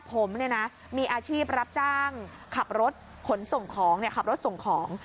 ผมมีอาชีพรับจ้างขับรถขนส่งของ